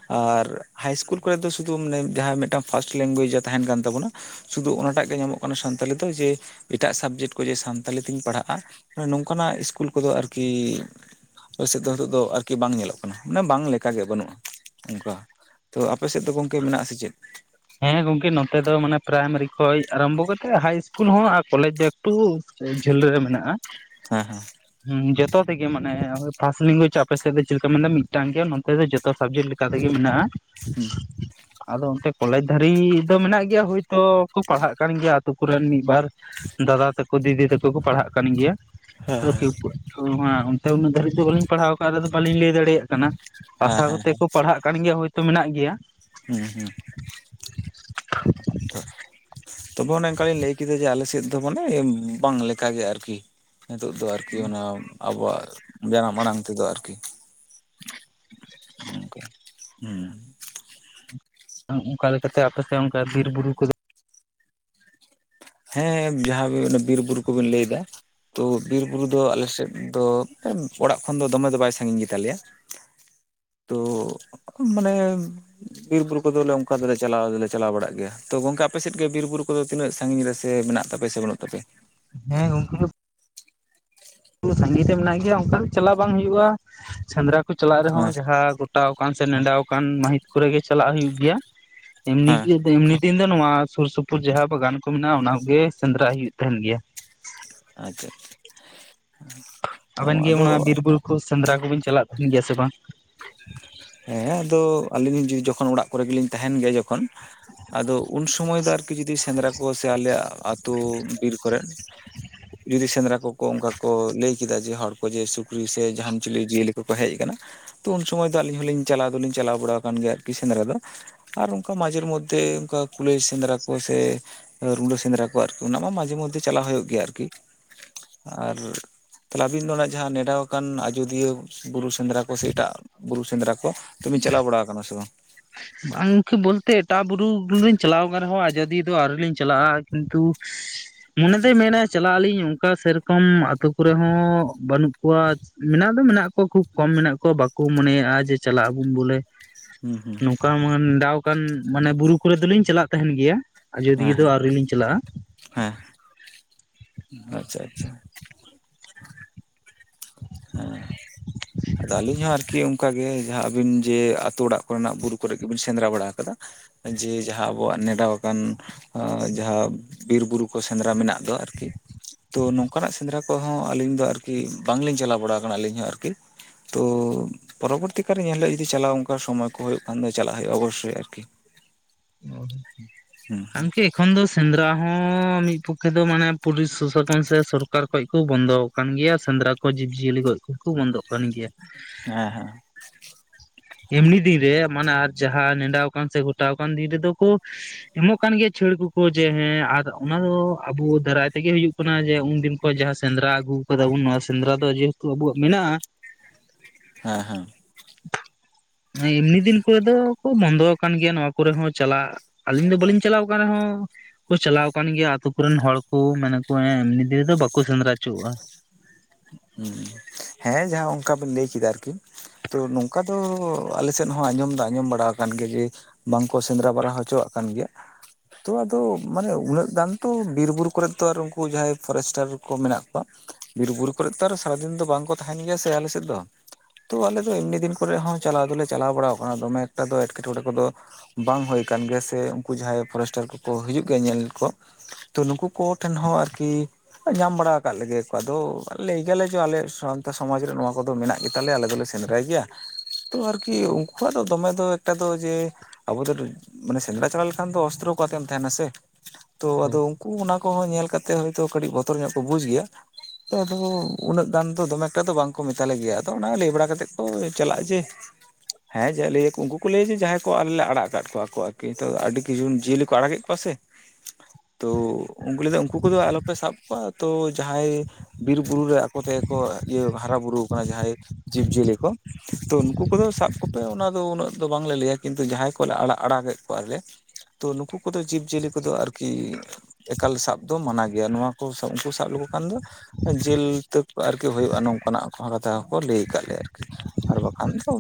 ᱟᱨ ᱦᱟᱭ ᱤᱥᱠᱩᱞ ᱠᱚᱨᱮ ᱫᱚ ᱥᱩᱫᱩ ᱢᱟᱱᱮ ᱡᱟᱦᱟᱸ ᱢᱮᱫᱴᱟᱝ ᱯᱷᱟᱥᱴ ᱞᱮᱝᱜᱩᱭᱮᱡ ᱡᱟ ᱛᱟᱦᱮᱸᱱ ᱠᱟᱱ ᱛᱟᱵᱳᱱᱟ᱾ ᱥᱩᱫᱩ ᱚᱱᱟᱴᱟᱜ ᱜᱮ ᱧᱟᱢᱚᱜ ᱠᱟᱱᱟ ᱥᱟᱱᱛᱟᱞᱤ ᱫᱚ ᱡᱮ ᱮᱴᱟᱜ ᱥᱟᱵᱡᱮᱠᱴ ᱠᱚ ᱡᱮ ᱥᱟᱱᱛᱟᱞᱤ ᱛᱤᱧ ᱯᱟᱲᱦᱟᱜᱼᱟ ᱱᱚᱝᱠᱟᱱᱟᱜ ᱤᱥᱠᱩᱞ ᱠᱚᱫᱚ ᱟᱨᱠᱤ᱾ ᱯᱟᱹᱨᱥᱤ ᱫᱚ ᱱᱤᱛᱚᱜ ᱫᱚ ᱟᱨᱠᱤ ᱵᱟᱝ ᱧᱮᱞᱚᱜ ᱠᱟᱱᱟ ᱢᱟᱱᱮ ᱵᱟᱝ ᱞᱮᱠᱟᱜᱮ ᱵᱟᱹᱱᱩᱜᱼᱟ ᱚᱝᱠᱟ᱾ ᱛᱚ ᱟᱯᱮ ᱥᱮᱫ ᱫᱚ ᱜᱚᱝᱠᱮ ᱢᱮᱱᱟᱜ- ᱟ ᱥᱮ ᱪᱮᱫ ᱦᱮᱸ ᱜᱚᱝᱠᱮ ᱱᱚᱛᱮ ᱫᱚ ᱢᱟᱱᱮ ᱯᱨᱟᱭᱢᱟᱨᱤ ᱠᱷᱚᱡ ᱟᱨᱟᱢᱵᱷᱚ ᱠᱟᱛᱮᱫ ᱦᱟᱭ ᱤᱥᱠᱩᱞ ᱦᱚᱸ ᱟᱨ ᱠᱚᱞᱮᱡᱽ ᱫᱚ᱾ ᱴᱩ ᱡᱷᱟᱹᱞ ᱨᱮ ᱢᱮᱱᱟᱜᱼᱟ ᱦᱮᱸ ᱦᱮᱸ ᱦᱮᱸ ᱡᱚᱛᱚ ᱛᱮᱜᱮ ᱢᱟᱱᱮ ᱯᱷᱟᱥᱴ ᱞᱮᱝᱜᱩᱭᱮᱡ ᱟᱯᱮᱥᱮᱫ ᱫᱚ ᱪᱮᱫᱞᱮᱠᱟ ᱢᱮᱱᱫᱟ ᱢᱤᱫᱴᱟᱝ ᱜᱮᱭᱟ ᱱᱚᱱᱛᱮ ᱫᱚ ᱡᱚᱛᱚ᱾ ᱥᱟᱵᱽᱡᱮᱠᱴ ᱞᱮᱠᱟ ᱛᱮᱜᱮ ᱢᱮᱱᱟᱜᱼᱟ ᱦᱩᱸ ᱟᱫᱚ ᱚᱱᱛᱮ᱾ ᱠᱚᱞᱮᱡᱽ ᱫᱷᱟᱹᱨᱤᱡ ᱫᱚ ᱢᱮᱱᱟᱜ ᱜᱮᱭᱟ ᱦᱳᱭᱛᱳ ᱠᱚ ᱯᱟᱲᱦᱟᱜ ᱠᱟᱱ ᱜᱮᱭᱟ ᱟᱹᱛᱩ ᱠᱚᱨᱮᱱ ᱢᱤᱫ ᱵᱟᱨ᱾ ᱫᱟᱫᱟ ᱛᱟᱠᱚ ᱫᱤᱫᱤ ᱛᱟᱠᱚ ᱠᱚ ᱯᱟᱲᱦᱟᱜ ᱠᱟᱱ ᱜᱮᱭᱟ᱾ ᱦᱮᱸ ᱚᱱᱛᱮ ᱩᱱᱟᱹᱜ ᱫᱷᱟᱹᱨᱤᱡ ᱫᱚ ᱵᱟᱹᱞᱤᱧ ᱯᱟᱲᱦᱟᱣ ᱠᱟᱜᱼᱟ ᱟᱫᱚ ᱵᱟᱹᱞᱤᱧ ᱞᱟᱹᱭ ᱫᱟᱲᱮᱭᱟᱜ ᱠᱟᱱᱟ ᱦᱮᱸ ᱟᱥᱟ ᱦᱮᱸ ᱦᱮᱸ ᱠᱚᱛᱮ ᱠᱚ ᱯᱟᱲᱦᱟᱜ ᱠᱟᱱ ᱜᱮᱭᱟ ᱦᱳᱭᱛᱳ ᱢᱮᱱᱟᱜ ᱜᱮᱭᱟ᱾ ᱦᱩᱸ ᱦᱩᱸ [unintelligible] ᱛᱚᱵᱮ ᱚᱱᱮ ᱚᱱᱠᱟᱞᱤᱧ ᱞᱟᱹᱭ ᱠᱮᱫᱟ ᱡᱮ ᱟᱞᱮ ᱥᱮᱫ ᱫᱚ ᱢᱟᱱᱮ ᱵᱟᱝ ᱞᱮᱠᱟᱜᱮ ᱟᱨᱠᱤ᱾ ᱱᱤᱛᱚᱜ ᱫᱚ ᱟᱨᱠᱤ ᱚᱱᱟ ᱟᱵᱚᱣᱟᱜ ᱡᱟᱱᱟᱢ ᱟᱲᱟᱝ ᱛᱮᱫᱚ ᱟᱨᱠᱤ᱾ [unintelligible] ᱦᱩᱸ ᱚᱱᱠᱟ ᱞᱮᱠᱟᱛᱮ ᱟᱯᱮ ᱥᱮᱫ ᱚᱱᱠᱟ ᱵᱤᱨ ᱵᱩᱨᱩ ᱠᱚᱫᱚ ᱦᱮᱸ ᱡᱟᱦᱟᱸ ᱵᱤᱨ ᱵᱩᱨᱩ ᱠᱚᱵᱤᱱ ᱞᱟᱹᱭ ᱫᱟ᱾ ᱛᱚ ᱵᱤᱨ ᱵᱩᱨᱩ ᱫᱚ ᱟᱞᱮ ᱥᱮᱫ ᱫᱚ ᱚᱲᱟᱜ ᱠᱷᱚᱱ ᱫᱚ ᱫᱚᱢᱮ ᱫᱚ ᱵᱟᱭ ᱥᱟᱺᱜᱤᱧ ᱜᱮᱛᱟᱞᱮᱭᱟ ᱾ ᱛᱚ ᱢᱟᱱᱮ ᱵᱤᱨ ᱵᱩᱨᱩ ᱠᱚᱫᱚᱞᱮ ᱚᱱᱠᱟ ᱫᱚ ᱪᱟᱞᱟᱣ ᱫᱚᱞᱮ ᱪᱟᱞᱟᱣ ᱵᱟᱲᱟᱜ ᱜᱮᱭᱟ ᱛᱚ ᱜᱚᱝᱠᱮ ᱟᱯᱮ ᱥᱮᱫ ᱜᱮ ᱵᱤᱨ ᱵᱩᱨᱩ ᱠᱚᱫᱚ ᱛᱤᱱᱟᱹᱜ ᱥᱟᱺᱜᱤᱧ ᱨᱮ? ᱥᱮ ᱢᱮᱱᱟᱜ ᱛᱟᱯᱮ ᱥᱮ ᱵᱟᱹᱱᱩᱜ ᱛᱟᱯᱮ ᱦᱮᱸ ᱜᱚᱢᱠᱮ [unintelligible] ᱥᱟᱸᱜᱤᱧ ᱨᱮ ᱢᱮᱱᱟᱜ ᱜᱮᱭᱟ ᱚᱱᱠᱟ ᱫᱚ ᱪᱟᱞᱟᱜ ᱵᱟᱝ ᱦᱩᱭᱩᱜᱼᱟ ᱥᱮᱸᱫᱽᱨᱟ ᱠᱚ ᱪᱟᱞᱟᱜ ᱦᱮᱸ ᱨᱮᱦᱚᱸ ᱡᱟᱦᱟᱸ ᱜᱚ ᱜᱚᱴᱟᱣ ᱠᱟᱱ ᱥᱮ ᱱᱮᱰᱟᱣ ᱠᱟᱱ ᱢᱟᱹᱦᱤᱛ ᱠᱚᱨᱮ ᱜᱮ ᱪᱟᱞᱟᱜ ᱦᱩᱭᱩᱜ ᱜᱮᱭᱟ ᱮᱢᱱᱤ ᱦᱮᱸ ᱠᱤ ᱮᱢᱱᱤ ᱤᱧ ᱫᱚ ᱱᱚᱣᱟ ᱥᱩᱨ ᱥᱩᱯᱩᱨ ᱡᱟᱦᱟᱸ ᱵᱟᱜᱟᱱ ᱠᱚ ᱢᱮᱱᱟᱜᱼᱟ ᱚᱱᱟ ᱠᱚ ᱜᱮ ᱥᱮᱸᱫᱽᱨᱟ ᱦᱩᱭᱩᱜ ᱛᱟᱦᱮᱱ ᱜᱮᱭᱟ ᱾ ᱟᱪᱪᱷᱟ ᱟᱪᱪᱷᱟ ᱟᱫᱚ ᱠᱷᱩᱵ ᱥᱮᱸᱫᱽᱨᱟ ᱠᱚᱵᱤᱱ ᱪᱟᱞᱟᱜ ᱛᱟᱦᱮᱱ ᱜᱮᱭᱟ ᱥᱮ ᱵᱟᱝ? ᱦᱮᱸ ᱟᱫᱚ ᱟᱹᱞᱤᱧ ᱡᱚᱠᱷᱚᱱ ᱚᱲᱟᱜ ᱠᱚᱨᱮ ᱜᱮᱞᱤᱧ ᱛᱟᱦᱮᱱ ᱜᱮᱭᱟ ᱡᱚᱠᱷᱚᱱ᱾ ᱟᱫᱚ ᱩᱱ ᱥᱚᱢᱚᱭ ᱫᱚ ᱟᱨᱠᱤ ᱡᱩᱫᱤ ᱥᱮᱸᱫᱽᱨᱟ ᱠᱚ ᱥᱮ ᱟᱞᱮᱭᱟᱜ ᱟᱹᱛᱩ ᱵᱤᱨ ᱠᱚᱨᱮ᱾ ᱡᱩᱫᱤ ᱥᱮᱸᱫᱽᱨᱟ ᱠᱚ ᱠᱚ ᱚᱱᱠᱟ ᱠᱚ ᱞᱟᱹᱭ ᱠᱮᱫᱟ ᱡᱮ ᱦᱚᱲ ᱠᱚ ᱡᱮ ᱥᱩᱠᱨᱤ ᱥᱮ ᱡᱟᱦᱟᱱ ᱪᱤᱞᱤ ᱡᱤᱭᱟᱹᱞᱤ ᱠᱚᱠᱚ ᱦᱮᱡ ᱠᱟᱱᱟ᱾ ᱛᱚ ᱩᱱ ᱥᱚᱢᱚᱭ ᱫᱚ ᱟᱹᱞᱤᱧ ᱦᱚᱸᱞᱤᱧ ᱪᱟᱞᱟᱣ ᱫᱚᱞᱤᱧ ᱪᱟᱞᱟᱣ ᱵᱟᱲᱟ ᱠᱟᱱ ᱜᱮᱭᱟ ᱟᱨᱠᱤ ᱥᱮᱸᱫᱽᱨᱟ ᱫᱚ ᱾ ᱟᱨ ᱚᱱᱠᱟ ᱢᱟᱡᱷᱮᱨ ᱢᱚᱫᱽᱫᱷᱮ ᱚᱱᱠᱟ ᱠᱩᱞᱟᱹᱭ ᱥᱮᱸᱫᱽᱨᱟ ᱠᱚ ᱥᱮ᱾ ᱨᱩᱰᱟᱹ ᱥᱮᱸᱫᱽᱨᱟ ᱠᱚ ᱟᱨᱠᱤ ᱚᱱᱟ ᱢᱟ ᱢᱟᱡᱷᱮ ᱢᱚᱫᱽᱫᱷᱮ ᱪᱟᱞᱟᱣ ᱦᱩᱭᱩᱜ ᱜᱮᱭᱟ ᱟᱨᱠᱤ ᱟᱨ᱾ ᱛᱟᱦᱚᱞᱮ ᱟᱵᱤᱱ ᱫᱚ ᱚᱱᱟ ᱡᱟᱦᱟᱸ ᱱᱮᱰᱟ ᱟᱠᱟᱱ ᱟᱡᱚᱫᱤᱭᱟᱹ ᱵᱩᱨᱩ ᱥᱮᱸᱫᱽᱨᱟ ᱠᱚ ᱥᱮ ᱮᱴᱟᱜ᱾ ᱵᱩᱨᱩ ᱥᱮᱸᱫᱽᱨᱟ ᱠᱚ ᱛᱚ ᱵᱤᱱ ᱪᱟᱞᱟᱣ ᱵᱟᱲᱟ ᱠᱟᱱᱟ ᱥᱮ ᱵᱟᱝ? ᱵᱟᱝᱠᱮ ᱵᱚᱞᱛᱮ ᱮᱴᱟᱜ ᱵᱩᱨᱩᱧ ᱪᱟᱞᱟᱣ ᱠᱟᱱ ᱨᱮᱦᱚᱸ ᱟᱡᱫᱤᱭᱟᱹ ᱫᱚ ᱟᱹᱣᱨᱤ ᱞᱤᱧ ᱪᱟᱞᱟᱜᱼᱟ ᱠᱤᱱᱛᱩ᱾ [unintelligible] ᱢᱚᱱᱮᱛᱮᱭ ᱢᱮᱱᱟ ᱪᱟᱞᱟᱜ ᱟᱹᱞᱤᱧ ᱚᱱᱠᱟ ᱥᱮᱨᱚᱠᱚᱢ ᱟᱛᱳ ᱠᱚᱨᱮ ᱦᱚᱸ ᱵᱟᱹᱱᱩᱜ ᱠᱚᱣᱟ᱾ ᱢᱮᱱᱟᱜ ᱫᱚ ᱢᱮᱱᱟᱜ ᱠᱚᱣᱟ ᱠᱷᱩᱵ ᱠᱚᱢ ᱢᱮᱱᱟᱜ ᱠᱚᱣᱟ ᱵᱟᱠᱚ ᱢᱚᱱᱮᱭᱟᱜᱼᱟ ᱡᱮ ᱪᱟᱞᱟᱜ ᱟᱵᱚᱱ ᱵᱚᱞᱮ ᱾ ᱦᱩᱸ ᱦᱩᱸ ᱠᱟᱣᱢᱟᱱ ᱫᱟᱣᱠᱟᱱ ᱢᱟᱱᱮ ᱵᱩᱨᱩ ᱠᱚᱨᱮ ᱫᱚᱞᱤᱧ ᱪᱟᱞᱟᱜ ᱛᱟᱦᱮᱱ ᱜᱮᱭᱟ ᱦᱮᱸ ᱟᱡᱚᱫᱤᱭᱟᱹ ᱫᱚ ᱦᱮᱸ ᱟᱹᱣᱨᱤ ᱞᱤᱧ ᱪᱟᱞᱟᱜᱼᱟ ᱾ ᱦᱮᱸ᱾ ᱟᱪᱪᱷᱟ ᱟᱪᱪᱷᱟ ᱾ ᱦᱮᱸ᱾ ᱟᱫᱚ ᱟᱹᱞᱤᱧ ᱦᱚᱸ ᱟᱨᱠᱤ ᱚᱱᱠᱟᱜᱮ ᱡᱟᱦᱟᱸ ᱟᱹᱵᱤᱱ ᱡᱮ ᱟᱛᱳ ᱚᱲᱟᱜ ᱠᱚᱨᱮᱱᱟᱜ ᱵᱩᱨᱩ ᱠᱚᱨᱮ ᱜᱮᱵᱤᱱ ᱥᱮᱸᱫᱽᱨᱟ ᱵᱟᱲᱟ ᱠᱟᱫᱟ ᱾ ᱡᱮ ᱡᱟᱦᱟᱸ ᱟᱵᱚᱣᱟᱜ ᱱᱮᱰᱟᱣ ᱟᱠᱟᱱ ᱾ ᱟ ᱡᱟᱦᱟᱸᱵ ᱵᱤᱨ ᱵᱩᱨᱩ ᱠᱚ ᱥᱮᱸᱫᱽᱨᱟ ᱢᱮᱱᱟᱜ ᱫᱚ ᱟᱨᱠᱤ ᱾ ᱛᱚ ᱱᱚᱝᱠᱟᱱᱟᱜ ᱥᱮᱸᱫᱽᱨᱟ ᱠᱚᱦᱚᱸ ᱟᱹᱞᱤᱧ ᱫᱚ ᱟᱨᱠᱤ ᱵᱟᱝᱞᱤᱧ ᱪᱟᱞᱟᱣ ᱵᱟᱲᱟ ᱠᱟᱱᱟ ᱟᱹᱞᱤᱧ ᱦᱚᱸ ᱟᱨᱠᱤ ᱾ ᱛᱚ ᱯᱚᱨᱚᱵᱚᱨᱛᱤ ᱠᱟᱞᱨᱮ ᱧᱮᱞ ᱦᱳᱭᱳᱜᱼᱟ ᱡᱩᱫᱤ ᱪᱟᱞᱟᱣ ᱚᱝᱠᱟ ᱥᱚᱢᱚᱭ ᱠᱚ ᱦᱩᱭᱩᱜ ᱠᱷᱟᱱ ᱫᱚ ᱪᱟᱞᱟᱜ ᱦᱩᱭᱩᱜᱼᱟ ᱚᱵᱚᱥᱥᱚᱭ ᱟᱨᱠᱤ ᱾ [inaudible] ᱚ ᱟᱢᱠᱤ ᱮᱠᱷᱚᱱ ᱫᱚ ᱥᱮᱸᱫᱽᱨᱟ ᱦᱚᱸ ᱢᱤᱫ ᱯᱚᱠᱠᱷᱮ ᱫᱚ ᱢᱟᱱᱮ ᱯᱩᱞᱤᱥ ᱥᱚᱥᱚᱴᱚᱱ ᱥᱮ ᱥᱚᱨᱠᱟᱨ ᱠᱷᱚᱡ ᱠᱚ ᱵᱚᱱᱫᱚᱠ ᱾ ᱠᱟᱱ ᱜᱮᱭᱟ ᱥᱮᱸᱫᱽᱨᱟ ᱠᱚ ᱡᱤᱵᱽᱼᱡᱤᱭᱟᱹᱞᱤ ᱜᱚᱡ ᱠᱚᱠᱚ ᱵᱚᱱᱫᱚᱜ ᱠᱟᱱ ᱜᱮᱭᱟ ᱾ ᱦᱮᱸ ᱦᱮᱸ ᱾ ᱮᱢᱱᱤ ᱫᱤᱱ ᱨᱮ ᱢᱟᱱᱮ ᱟᱨ ᱡᱟᱦᱟᱸ ᱱᱮᱸᱰᱟ ᱟᱠᱟᱱ ᱥᱮ ᱜᱚᱴᱟᱣ ᱟᱠᱟᱱ ᱫᱤᱱ ᱨᱮᱫᱚ ᱠᱚ ᱮᱢᱚᱜ ᱠᱟᱱ ᱜᱮᱭᱟ ᱪᱷᱟᱹᱲ ᱠᱚᱠᱚ ᱡᱮ ᱦᱮᱸ ᱟᱨ ᱚᱱᱟ ᱫᱚ ᱟᱵᱚ ᱫᱟᱨᱟᱭ ᱛᱮᱜᱮ ᱦᱩᱭᱩᱜ ᱾ ᱠᱷᱚᱱᱟᱜ ᱡᱮ ᱩᱱᱫᱤᱱ ᱠᱷᱚᱡ ᱡᱟᱦᱟᱸ ᱥᱮᱸᱫᱽᱨᱟ ᱟᱹᱜᱩ ᱠᱟᱫᱟ ᱵᱚᱱ ᱱᱚᱣᱟ ᱥᱮᱸᱫᱽᱨᱟ ᱫᱚ ᱡᱮᱦᱮᱛᱩ ᱟᱵᱣᱟᱜ ᱢᱮᱱᱟᱜᱼᱟ ᱾ ᱦᱮᱸ ᱦᱮᱸ ᱾ ᱮᱢᱱᱤ ᱫᱤᱱ ᱠᱚᱨᱮ ᱫᱚ ᱠᱚ ᱵᱚᱱᱫᱚ ᱠᱟᱱ ᱜᱮᱭᱟ ᱱᱚᱣᱟ ᱠᱚᱨᱮ ᱦᱚᱸ ᱪᱟᱞᱟᱜ ᱟᱹᱞᱤᱧ ᱫᱚ ᱵᱟᱹᱞᱤᱧ ᱪᱟᱞᱟᱣ ᱠᱟᱱ ᱨᱮᱦᱚᱸ ᱠᱚ ᱪᱟᱞᱟᱣ ᱠᱟᱱ ᱜᱮᱭᱟ ᱟᱛᱳ ᱠᱚᱨᱮᱱ ᱦᱚᱲ ᱠᱚ ᱢᱮᱱᱟ ᱠᱚ [inaudible] ᱮᱢᱱᱤ ᱫᱤᱱ ᱨᱮᱫᱚ ᱵᱟᱠᱚ ᱥᱮᱸᱫᱽᱨᱟ ᱚᱪᱚᱜᱼᱟ ᱾ ᱦᱩᱸ ᱦᱮᱸ ᱡᱟᱦᱟᱸ ᱚᱝᱠᱟ ᱵᱤᱱ ᱞᱟᱹᱭ ᱠᱮᱫᱟ ᱟᱨᱠᱤ ᱾ ᱛᱚ ᱱᱚᱝᱠᱟ ᱫᱚ ᱟᱞᱮ ᱥᱮᱫ ᱦᱚᱸ ᱟᱸᱡᱚᱢ ᱫᱚ ᱟᱸᱡᱚᱢ ᱵᱟᱲᱟ ᱠᱟᱱ ᱜᱮᱭᱟ ᱡᱮ ᱵᱟᱝᱠᱚ ᱥᱮᱸᱫᱽᱨᱟ ᱵᱟᱲᱟ ᱦᱚᱪᱚᱣᱟᱜ ᱠᱟᱱ ᱜᱮᱭᱟ ᱾ ᱛᱚ ᱟᱫᱚ ᱢᱟᱱᱮ ᱩᱱᱟᱹᱜ ᱜᱟᱱ ᱛᱚ ᱵᱤᱨ ᱵᱩᱨᱩ ᱠᱚᱨᱮᱫ ᱛᱚ ᱟᱨ ᱩᱱᱠᱩ ᱡᱟᱦᱟᱸᱭ ᱯᱷᱚᱨᱮᱥᱴᱟᱨ ᱠᱚ ᱢᱮᱱᱟᱜ ᱠᱚᱣᱟ ᱾ ᱵᱤᱨ ᱵᱩᱨᱩ ᱠᱚᱨᱮᱜ ᱛᱚ ᱟᱨ ᱥᱟᱨᱟᱫᱤᱱ ᱫᱚ ᱵᱟᱝᱠᱚ ᱛᱟᱦᱮᱱ ᱜᱮᱭᱟ ᱥᱮ ᱟᱞᱮ ᱥᱮᱫ ᱫᱚ᱾ ᱛᱚ ᱟᱞᱮ ᱫᱚ ᱮᱢᱱᱤ ᱫᱤᱱ ᱠᱚᱨᱮ ᱦᱚᱸ ᱪᱟᱞᱟᱣ ᱫᱚᱞᱮ ᱵᱟᱲᱟᱣ ᱠᱟᱱᱟ ᱫᱚᱢᱮ ᱮᱠᱴᱟ ᱫᱚ ᱮᱴᱠᱮᱴᱚᱬᱮ ᱠᱚᱫᱚ ᱵᱟᱝ ᱦᱳᱭ ᱠᱟᱱ ᱜᱮᱭᱟ ᱥᱮ ᱩᱝᱠᱩ ᱡᱟᱦᱟᱸᱭ ᱯᱷᱚᱨᱮᱥᱴᱟᱨ ᱠᱚᱠᱚ ᱦᱤᱡᱩᱜ ᱜᱮᱭᱟ ᱧᱮᱞ ᱠᱚ᱾ ᱛᱚ ᱱᱩᱠᱩ ᱠᱚ ᱴᱷᱮᱱ ᱦᱚᱸ ᱟᱨᱠᱤ ᱧᱟᱢ ᱵᱟᱲᱟ ᱠᱟᱜ ᱞᱮᱜᱮ ᱠᱚ ᱟᱫᱚ ᱞᱮᱭ ᱜᱮᱭᱟᱞᱮ ᱡᱮ ᱟᱞᱮᱭᱟᱜ ᱥᱟᱣᱛᱟ ᱥᱚᱢᱟᱡᱽ ᱨᱮ ᱱᱚᱣᱟ ᱠᱚᱫᱚ ᱢᱮᱱᱟᱜ ᱜᱮ ᱛᱟᱞᱮᱭᱟ ᱟᱞᱮ ᱫᱚᱞᱮ ᱥᱮᱸᱫᱽᱨᱟᱭ ᱜᱮᱭᱟ᱾ ᱛᱚ ᱟᱨᱠᱤ ᱩᱝᱠᱩᱣᱟᱜ ᱫᱚ ᱫᱚᱢᱮ ᱫᱚ ᱮᱠᱴᱟ ᱫᱚ ᱡᱮ ᱟᱵᱚ [unintelligible] ᱢᱟᱱᱮ ᱥᱮᱸᱫᱽᱨᱟ ᱪᱟᱞᱟ ᱞᱮᱠᱷᱟᱱ ᱫᱚ ᱚᱥᱛᱨᱚ ᱠᱚ ᱟᱛᱮᱢ ᱛᱟᱦᱮᱱᱟ ᱥᱮ᱾ ᱛᱚ ᱟᱫᱚ ᱩᱝᱠᱩ ᱚᱱᱟ ᱠᱚᱦᱚᱸ ᱧᱮᱞ ᱠᱟᱛᱮᱜ ᱦᱚᱭᱛᱚ ᱠᱟᱹᱴᱤᱡ ᱵᱚᱛᱚᱨ ᱧᱚᱜ ᱠᱚ ᱵᱩᱡ ᱜᱮᱭᱟ᱾ ᱛᱚ ᱟᱫᱚ ᱩᱱᱟᱹᱜ ᱜᱟᱱ ᱫᱚ ᱫᱚᱢᱮ ᱮᱠᱴᱟ ᱫᱚ ᱵᱟᱝ ᱠᱚ ᱢᱮᱛᱟᱞᱮ ᱜᱮᱭᱟ ᱟᱫᱚ ᱚᱱᱟ ᱞᱟᱹᱭ ᱵᱟᱲᱟ ᱠᱟᱛᱮᱜ ᱠᱚ ᱪᱟᱞᱟᱜᱼᱟ ᱡᱮ [inaudible] ᱦᱮᱸ ᱡᱮᱜ ᱞᱟᱹᱭᱟ ᱠᱚ ᱩᱝᱠᱩ ᱠᱚ ᱞᱟᱹᱭᱟ ᱡᱮ ᱡᱟᱦᱟᱸᱭ ᱠᱚ ᱟᱞᱮ ᱞᱮ ᱟᱲᱟᱜ ᱟᱠᱟᱫ ᱠᱚᱣᱟ ᱠᱚ ᱟᱨᱠᱤ ᱛᱚ ᱟᱹᱰᱤ ᱠᱤᱪᱷᱩ ᱡᱤᱭᱟᱹᱞᱤ ᱠᱚ ᱟᱲᱟᱜᱮᱫ ᱠᱚᱣᱟ ᱥᱮ᱾ ᱛᱚ ᱩᱝᱠᱩ ᱞᱟᱹᱭᱫᱟ ᱩᱱᱠᱩ ᱠᱚᱫᱚ ᱟᱞᱚᱯᱮ ᱥᱟᱵ ᱠᱚᱣᱟ ᱛᱚ ᱡᱟᱦᱟᱸᱭ ᱵᱤᱨ ᱵᱩᱨᱩ ᱨᱮ ᱟᱠᱚ ᱛᱮᱜᱮ ᱠᱚ ᱤᱭᱟᱹ ᱦᱟᱨᱟ ᱵᱩᱨᱩ ᱠᱟᱱᱟ ᱡᱟᱦᱟᱸᱭ ᱡᱤᱵᱽᱡᱤᱭᱟᱹᱞᱤ ᱠᱚ ᱾ ᱛᱚ ᱱᱩᱠᱩ ᱠᱚᱫᱚ ᱥᱟᱵ ᱠᱚᱯᱮ ᱚᱱᱟ ᱫᱚ ᱩᱱᱟᱹᱜ ᱫᱚ ᱵᱟᱝᱞᱮ ᱞᱟᱹᱭᱟ ᱠᱤᱱᱛᱩ ᱡᱟᱦᱟᱸᱭ ᱠᱚᱞᱮ ᱟᱲᱟᱜ ᱟᱲᱟᱜᱮᱫ ᱠᱚᱣᱟᱞᱮ ᱛᱚ ᱱᱩᱠᱩ ᱠᱚᱫᱚ ᱡᱤᱵᱽᱼᱡᱤᱭᱟᱹᱞᱤ ᱠᱚᱫᱚ ᱟᱨᱠᱤ ᱮᱠᱟᱞ ᱥᱟᱵ ᱫᱚ ᱢᱟᱱᱟ ᱜᱮᱭᱟ ᱱᱚᱣᱟ ᱠᱚ ᱩᱝᱠᱩ ᱥᱟᱵ ᱞᱮᱠᱚ ᱠᱷᱟᱱ ᱫᱚ ᱡᱮᱞ ᱛᱟᱠ ᱟᱨᱠᱤ ᱦᱩᱭᱩᱜᱼᱟ ᱱᱚᱝᱠᱟᱱᱟᱜ [unintelligible] ᱞᱟᱹᱭ ᱠᱟᱜ ᱞᱮᱭᱟ ᱟᱨᱠᱤ᱾ ᱟᱨ ᱵᱟᱠᱷᱟᱱ ᱫᱚ